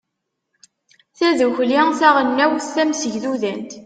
tadukli taɣelnawt tamsegdudant